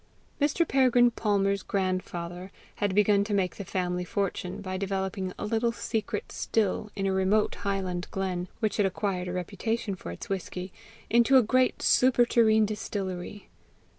Mr. Peregrine Palmer's grandfather had begun to make the family fortune by developing a little secret still in a remote highland glen, which had acquired a reputation for its whisky, into a great superterrene distillery.